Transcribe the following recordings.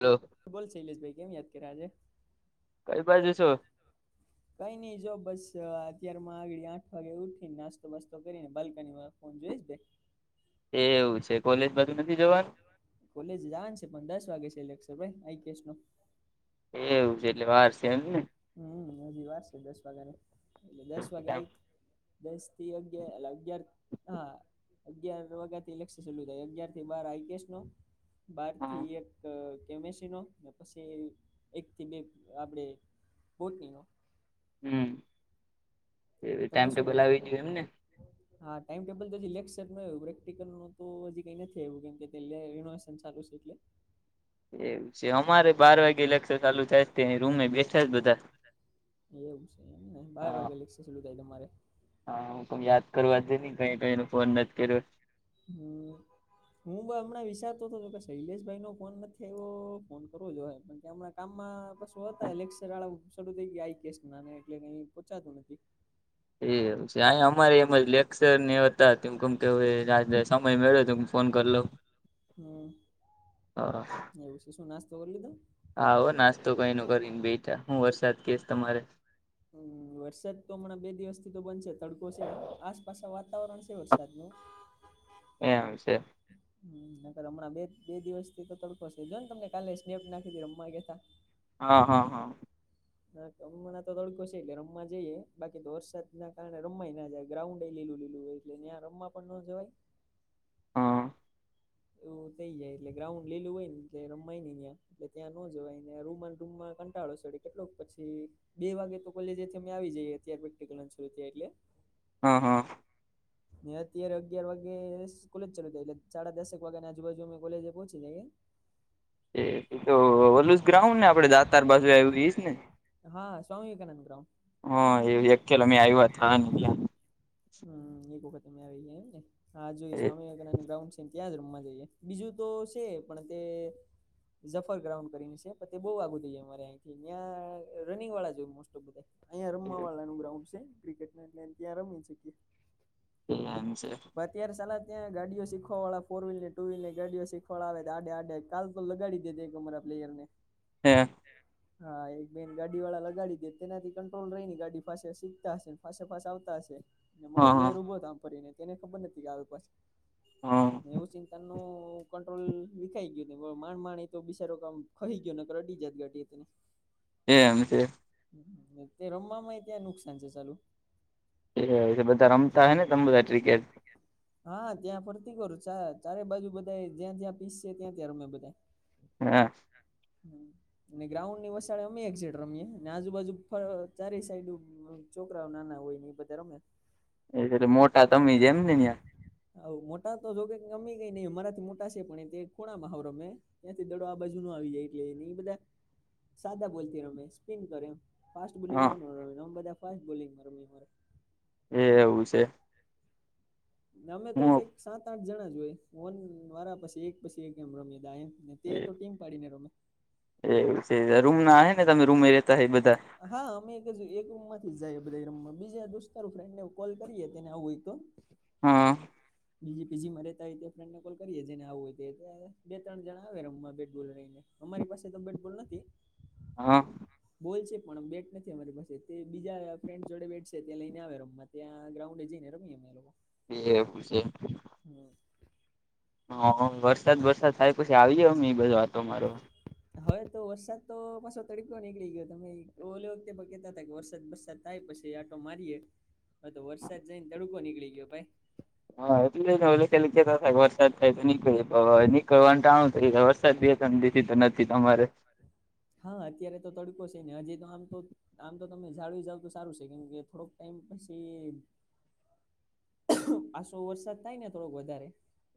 Hello હું બોલ શૈલેષ ભાઈ કેમ યાદ કર્યા આજે કઈ પછી શું. કઈ નહી જો બસ અત્યારમાં આગળ આઠ વાગે ઉઠીને નાસ્તો બાસ્તો કરીને બાલ્કનીમાં ફૉન જોઈશ ને એવું છે કોલેજ બાહું નથી જવાનું કોલેજ જવાન છે પણ દસ વાગે સેલેક્શન ભાઈ આ કેસ નો એવું છે એટલે વાર છે. એમને હમ્મ હજી વાર છે દસ વાગ્યા નુ એટલે દસ વાગે આ દસ થી અગયાર એટલે અગિયાર હા. અગિયાર વાગ્યા થી ઇલેક્શન શાલુ થાય અગિયાર થી બાર આઈપએસ નો બાર હા, થી એક અ કેમેસ્ટ્રીનો ને પછી એક થી બે આપણેે બોટલીનો હમ્મ. તમે શું કરો આવી ગયું [inaudible] હા ટાઈમ ટેબલ તો લેક્સટું પ્રેક્ટિકલ નુ તો હજી કઈ નથી આવું કેમ કે રિનોવેશન સારું છે એટલે એવું છે અમારે બાર વાગે લેક્ચર ચાલુ થાય રૂમે બેઠા જ બધા એવું છે એમ બાર હા વાગે લેક્ ચાલુ થાય તમારે હા હું કમ યાદ કરવા જ હી ક કઈ ફોન નથી કર્યો હમ હું બ હમણાં વિચારતો હતોતો કે શૈલેષભાઈ નો ફોન નથી, આવ ફોન કરવો જોએ પણ કે હમણાં કામમાં બ હતા એલેક્ર વાળા શરૂ થઈ ગયા આ કેસ ના એટલે પચાતું નથી. એ હ છે. અમારે એમ જ લેક્ચર ને હતા તેમ કેમ કે સમય મેળ્યો તો ફોન કરીલો હમ હ તું શું નાસ્તો કરલ તો હાો નાસ્તો કઈ ન કરીને બેઠા હું વરસાદ કેશ તમારે હમ વરસાદ તો હમણાં બે દિવસથી તો બનશે તડકો છે આસપાસ વાતાવરણ છે વરસાદ ન એ વિ છે. હમ અર હમણાં બે બે દિવસ થી તો તડકો છે જો ને તમને કાલે સ્નેપ નાખી રમવા ગયાતા. હા હા હા હ કમ ના તો તડકો છે એટલે રમવા જઈએ બાકી તો વરસાદ ના કારણે રમમાય ના જાય, ગ્રાઉન્ડ એ લીલું લીલું હોય. એટલે ્યાં રમવા પણ ન જવાય હા એવું થઈ જાય એટલે ગ્રાઉન્ડ લેલું હોય ને એટલે રમાય નને ત્યાં એટલે ત્યાં નો જોવાયને રૂમ રૂમમાં કંટાળો સડી કેટલોક પછી. બે વાગે તો કોલેથી અમે આવી જઈએ અત્યારે પ્રેક્ટલ થ એટલે હા હા ને અત્યારે અગિયાર વાગે કોલેજ ચાલુ થાય એટલે સાડા દસેક વાગ્યા ના આજુબાજુ અમે કોલેજ પહોંચી જાય. એ ઓલુસ ગ્રાઉન્ડ ને આપડે દાતાર બાજુ આવુંઈશ ને હા સ્વામી વિવેકાનંદ ગ્રમ હ એવું એક કલો મેં આવ્યો હતા. હમ એક વખત અમે આવીએમ ને હ જોઈ સ્વામી ગ્રાઉન્ડ છે ત્યાં જ રૂમમાં જઈએ બીજું તો છે, પણ તે જફર ગ્રાઉન્ડ કરીને છે બહુ આગુું થઈ અરે અંથી ત્યાં રનિંગ વાળા જોય, મો ઓફ બધા અહિયાં રમવા વાળાનું ગ્રાઉન્ડ છે ક્રિકેટ એટ ત્યાં રમી શકીએ એમ છે. અત્યારેલા ત્યાં ગાડીઓ શીખવાળા ફોર વ્હીલર ટુ વ્હીલર ગડીઓ શીખવાળ આવે તો આે આડે કાલ તો લગાડી દે કમરા પ્લેયરને હે હમ હા એક બેન ગાડી વાળા લગાડી દે તેનાથી કંટ્રોલ રહી ને ગાડી ફ શીખતા હશે ફ ફાસ આવતા હશે. ને મારો હા હા પ્લેયર ઉભો આમ ફરીને તેને ખબર નથી કે આવી હા પાસેને એવું ચિંત ન કંટ્રોલ વેખાઈ ગયો ને માણ માણ એ તો બિચારો કામ ખાઈ ગયો ને રડી જત ગાડીએત ને એમ છે. તે રમ ય ત્યાં નુકસાન છે, ચાલુ એય બધા રમતા હ ને તમે બધા ક્રિકેટ હા ત્યાં ફરતી કર ચારે બાજુ બધા જ્યાં જ્યાં પીસશે ત્યાં ત્યાં રમે બધા હા હમ ને ગ્રાઉન્ડ ની વસાળે અમે એક સેડ રમીએે ને આજુબાજુ ચારે સાઈડ છોકરાઓ ના હોય ને એ બધા રમે એટલે મોટા તમે જ એમ ને અહીંયા હ મોટા તો જો કે ગમી ગઈ નહી મારાથી મોટા છે, પણ એ ખૂણામાંવ રમે ત્યાંથી દડો આ બાજુ ન આવી જાય એટલેને એ બધા સાદા બોલતી રમે સ્પિન કરે એમ ફાસ્ટ હા બોલિંગમાં રમ બધા ફાસ્ટ બોલિંગમાં રમીરે એ એવું છે. અમે તો હું કઈક સાત આઠ જણા જોય ફોન વાળા પછી એક પછી એક એમ રમી દા એમ તે તો ટીમ પાડીને રમે એવું છે રૂમ ના હ ને તમે રૂમ રેતા હ બધા હા અમેજ એક રૂમ માંથી જઈએ બધા રૂમમાં બીજા દોસ્તાર ફ્રેન્ડ ને કોલ કરીએ તેને આવુંય તો હા બીજી પીજી મ રહેતા હોય ફ્રેન્ડ ને કોલ કરીએે જેને આવું હોય તે બે ત્રણ જણા આવે રમમાં બેટ બોલ રહીને અમારી પાસે તો બેટબોલ નથી હા બોલ છે પણ બેટ નથી અમારી પાસે તે બીજા ફ્રેન્ડ જોડે બેઠ છે તે લઈને આવે રૂમ મા ત્યાં ગ્રાઉન્ડે જઈને રમીએ અમે એ લોકો એ એપ છે હમ્મ હ વરસાદ વરસાદ થાય પછી આવી જવાનું એ બાજુ વાટો મારવા હવે તો વરસાદ તો પાછો તડફયો નીકળી ગયો તમે ઓલી વખતે કહેતા હતા વરસાદ વરસાદ થાય પછી આટો મારીએ [inaudible] હા તો વરસાદ જઈ ને તડકો નીકળી ગયો ભાઈ હા એટલું એવુ કેતા વરસાદ થાય તો નીકળે નીકળવા નુ [unintelligible] તબયત [unintelligible] નથી તમારે હા અત્યારે તો તડકો છે ને હજી તો આમ તો આમ તો તમે જાળવી જાવ તો સારું છે કેમ કે થોડોક ટાઈમ પછી [inaudible] આસો વરસાદ થાય ને થોડોક વધારે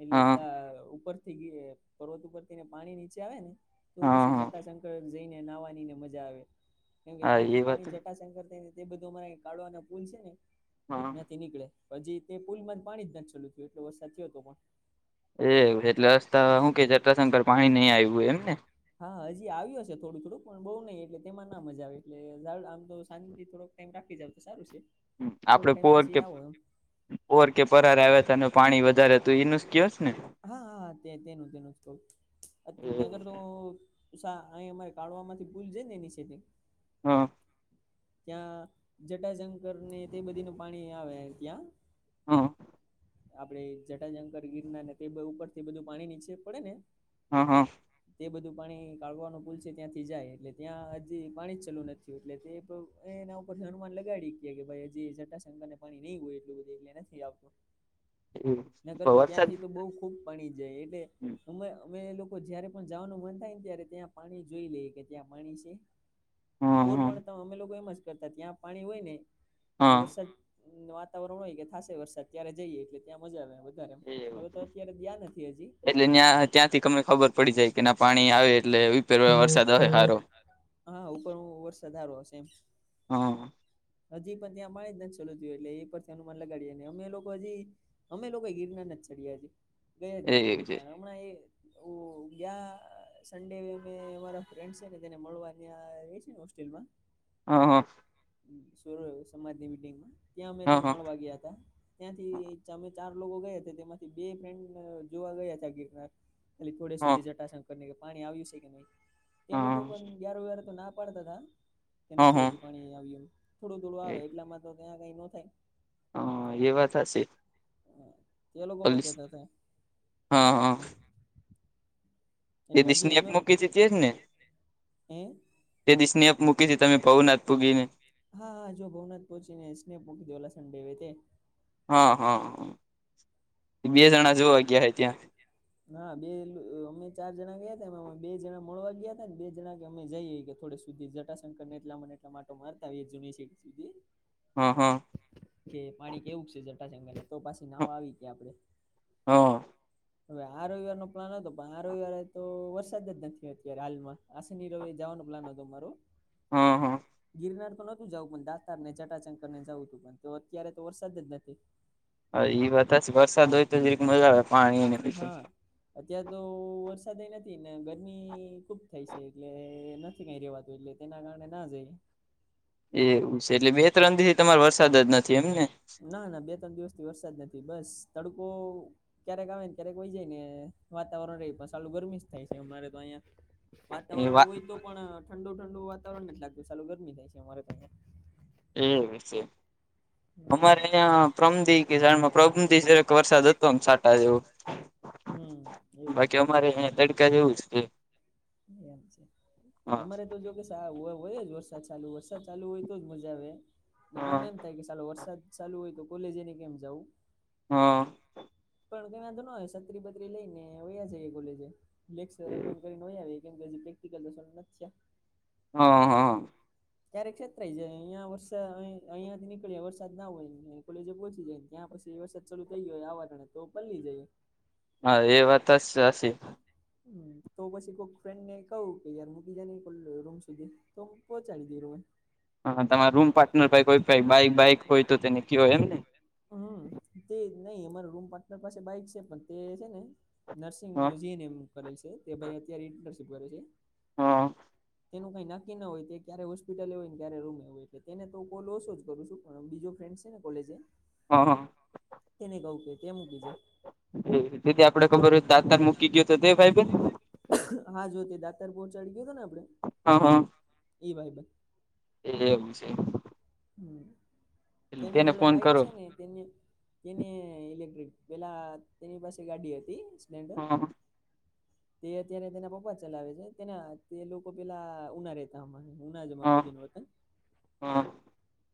એટલે હા દા ઉપર થી ગીરે પર્વત ઉપર થીને પાણી નીચે આવે ને તો હા પછી હા જટાશંકર જઈને નાહવાનીને મજા આવે કેમ કે હા ત્યાંથી એ વાત પાણી જટાશંકર થઈને એ બધું અમારે કાઢવાનો પુલ છે ને હા ત્યાંથી નીકળે હજી તે પુલ જ પાણી જ નથી ચાલુ થયું એટલો વરસાદ થયો હતો પણ એ એટલે રસ્તા શું કે જતા તા પણ ને પાણી નહી આવ્યું એમને એમ હા હજી આવ્યું હશે થોડું થોડુંક પણ બહુ નહી એટલે તેમાં ના મજા આવે એટલે આમ તો શાંતિથી થોડક [unintelligible] જાવ તો સારું છે થોડક આપડે ટાઈમ પોર પછી કે આવો એ પોર ઉપર કે પરાર છે આવ્યા હતા અને પરાણે પાણી હતું વધારે એનું એ જ કયો તેનું ને કિયોંને હા હા તેતે તેનુંજ તો [unintelligible] તો અહી અમારે કાઢવા મા થી ભૂલ જાય ને એની સેટિંગ હા ત્યાં જટાશંકર ને તે બધી નુ પાણી આવે ત્યાં હ આપણેે જટાજંકર ગીરના ને તે ઉપર થી બધું પાણી નીચે પડે ને હા હા તે બધું પણ કાળવાનો પુલ છે ત્યાંથી જાય એટલે ત્યાં હજી પાણી જ ચાલુ નથી એટલે તે એ એના ઉપરથી એનુંમાન લગાડી કે ભાઈ હજી જટા શંકરને પાણી નહી હોય એલું બધૂ એટકે નથી આપું વરસાદ તો બહુ ખૂબ પાણી જાય એટલે અ અમે લોકો જયારે પણ જવાનું મન થાય ને ત્યારે ત્યાં પાણી જોઈ લઈએ કે ત્યાં પાણી છે હા હા કોરફળ અમે લોકો એમ જ કરતા ત્યાં પાણી હોય ને હા વરસાદ વાતાવરણ હોય કે થાશે વરસાદ ત્યારે જઈએ એટલે ત્યાં મજા આવે એવું હવે તો અત્યારે ગિયા નથી હજી એટલે ત્યાં ત્યાંથી તમને ખબર ખબર પડી જાય ના પાણી આવે એટલે એ હા ઉપર વરસાદ હારો આવશે તે હા હજી પણ ત્યાં માી જ નથી ચાલતું એટલે એ પરથીંનુમાન લગાડીએ ને અમે લોકો હજી. અમે લોકો ગિરનાર જ ચડ્યાીએ ગયા જ એ નથી છે ગિરનાર હમણાં એ હું ક્યાં સન્ડે મેં અમારા ફ્રેન્ડ છે ને તેને મળવાની હોસ્ટેલમા હ હા સોરૂ સમાજની મિટિંગમાં ત્યાં અમે તને હા મળવા ગયા હતા. ત્યાંથી હા અમે ચાર લોકો ગયા હતા તેમાંથી બે ફ્રેન્ડ જોવા ગયા હતા ગિરનાર ખાલી થોડે હા સુધી જટાશંકર ને કે પાણી આવ્યું છે કે નહી. તે લોકો હા પણ ગ્યાર વાર તો ના પાડતા તા કે હા નથી હા હજી પાણી આવ એ થોડું થોડું આવે એટલામાં તો ક્યા કઈ નો થાય. હ એ વાતશે તે લોકો પણ કેતા હતા. હા એ એટલે દિશની અ મૂકી જી હતી જ ને હમ તે દિસ ને આપ મૂકીશ તમે પહ નાથ પૂગીને હા હા જો ભવનાથ પહોચી ને સ્નેપો કીધો લસડે તે હા હા હ બે જણા જોવા ગયા હ ત્યાં ત્યાં હા બે અમે ચાર જણા ગયા હતામે બે જણા મળવા ગયા હતા ને બે જણા કે અમે જઈએ કે થોડ સુધી જ એટલા મ એટો મારતાુનટીધી હા હા. કે પાણી કેવું છે જટાશંગને તો પાછી નાવ હા આવી કે આપડે હા હવે આ રવિવાર નો પ્લાન હતો પણ આ રવિવારે તો વરસાદ જ નથી અત્યારે હાલમાં આશ ની ર જવાનો પ્લાન હતો હતો મારો હા ગિરનાર તો ન જવું પણ દાતર ને ચટાચંકર ને જવું તું પણ તો અત્યારે તો વરસાદ જ નથી. હ એ વાત વસાદોયત જ રક મા હા અત્યાર તો વરસાદ નથી ને ગરમી ખુબ થઈ છે, એટલે નથી કઈ રેવાતું એટલે તેના કારણે ના જઈ. એવું છે એટલે બે ત્રણ દી થી તમાર વરસાદ જ નથી એમને ના ના બે ત્રણ દિવસથી વરસાદ નથી બસ તડકો ક્યારેક આવે ને ક્યારેક વય જાય ને વાતાવરણ પણ સાલું ગરમી જ થાય છે અમારે તો અહિયાં એ વાતાવરણ વાત હોય તો પણ ઠંડુ ઠંડુ વાતાવરણ ન જ લાગતું ચાલું ગરમી થાય છે, અમારે કંયા હમ છે. અમારે અહં પ્રમધિ કે ઝાડમાં પ્રધિ જેક વરસાદ હતો એમ સાટા જેવું હમ્મ એવું જ તડકા જેવું જ છે ન મ છે, હા અમારે તો જો [unintelligible] હોય વરસાદ ચાલુ વરસાદ ચાલુ હોય તોજ મજા આવે હા આમ એમ થાય કે ચાલો વરસાદ ચાલુ હોય તો કોલેજ એને કેમ જવું હા પણ ત તો નય છત્રી પત્રી લઈનેયા જ કોલેજ લેક્ચર અન્ કરી ન આવે કેમ કે પ્રેક્ટિકલ તો છે. હા હા ક્યારેક છેતરાઈ જાય અહીિયાં વરસા અ અહિયાંથી નીળે વરસાદ ના હોય ને કોલેજે પહોંચી જાય ને ત્યાં પછી વરસાદ ચાલુ થઈ ગય આ વાટણે તો પલી જઈએ. હા એ વાત જ સાી હમ્મ તો પછી કોઈક ફ્રેન્ડ ને કહું કે યાર મૂકીજાને નહીં ખો રૂમ સુધી તો હ પહોચાડી દી ર હા તમારા રૂમ પાર્ટનર ભાઈ કોઈ બાઈક બાઈક હોય તો તેને કયો હોય, એમ ને હમ્મ તે નહી અમારો રૂમ પાર્ટનર પાસે બાઈક સે પણ તે છે, ને નર્સિંગ નો હા જીનેમ કરેલ છે, તે ભાઈ અત્યારે ઇર્નશીપ કરે છે. હ. તેનું કઈ નક્કી ના હોય તે ક્યારે હોસ્પિટલ એ હોય ક્યારે રૂમે હોય તેને તો કોલ ઓછો જ કરું છું પણ બીજો ફ્રેન્ડ છે, ને કોલેજે હ હ તેને કહું કે તે મૂકી જાય દીદી આપડે ખબર હોય દાતર મુ કઈ ગયો [unintelligible] હા જો તે દાતર પહોંચાડી ગયો હતો ને આપડે હા ઈ ભાઈબંધ હ એમ છે. હમ્મ તેના તેને જોડે ફોન બાઈક કરો છે ને? તેને તેને ઇલેક્ટ્રિક પેલા તેની પાસે ગાડી હતી હા [inaudible] તે અત્યારે તેના પપ્પા ચલાવે છે, તેના તે લોકો પેલા ઉના રેતા અમા ઉના જ અમારું હા બધી નું વતન હા.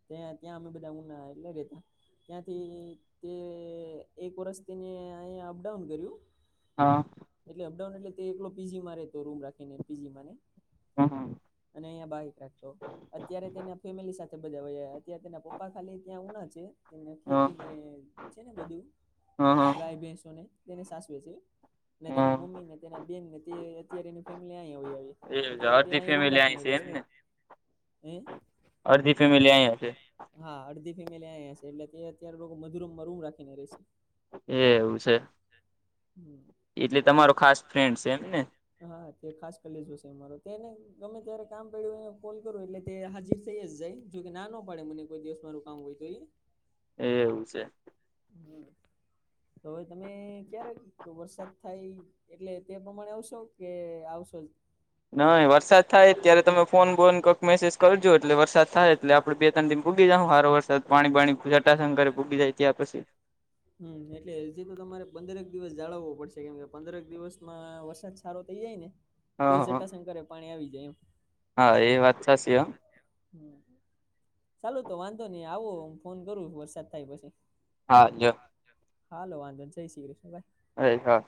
ત્યાં ત્યાં અમે બધા ઉના એટલે રેતા ત્યાંથી તે એક વર્ષ તેને અહીયા અપડાઉન કર્યું હા. એટલે અપડાઉન એટલે તે એકલો પીજી મા રેતો રૂમ રાખીને પીજીમા ને હા હા. અને અયા બાઈક રાખતો અત્યારે તેના ફેમિલી સાથે બધા ઓયા અતયાર તેના પપ્પા ખાલી ત્યાં ઉના છે. એને હા ખેતી ને છે, ને બધું હા ગાય ભેસો ને તેની સાસવે છે, ને હા તેના મમ્મી ને તેના બેનને તે અત્યારે એની ફેમિલી આય વઇ આવલી [unintelligible] આય છે, એમને એ અડધી ફેમેલી આયા છે. હા અડધી ફેમિલી આયા છે, એટલે તે અત્યારે મધુરૂમ માં રૂમ રાખીને રહીશે એ એવું છે. હમ્મ. એટલે તમારો ખાસ ફ્રેન્ડ સે એમ ને? હા, તે ખાસ કલેજો છે, મારો તેને ગમે ત્યારે કામ પડ્યું કોલ કરો એટલે તે હાજીર થઈ જાય જોકે ના પડે મને કોઈ દિવસ મારૂ કામ હોય તો એ એવું છે. હમ તોવે તમે ક્યારે વરસાદ થાય એટલે તે પ્રમાણે આવશો કે આવશો જ નય વરસાદ થાય તયારે તમે ફોન બોન કઈક મેસેજ કરજો એટલે વરસાદ થાય એટલે આપડે [unintelligible] પુગી જાહુ હારો વરસાદ પાણી બાણી જટાશંકરે પુગી જાય ત્યાં પછી હમ્મ એટલે જે તો તમારે પંદરેક દિવસ જાળવવો પડશે કેમ કે પંદરક દિવસમાં વરસાદ સારો થઈ જાય ને હ તો હ જટાશંકરે પાણી આવી જાય એમ હા એ વાત સાચી હમ્મ ચાલુ તો વાંધો નહી આવો હુ ફોન કરું વરસાદ થાય પછી હા જો હાલો વાંધો જય શ્રી કૃષ્ણ ભાઈ એ હ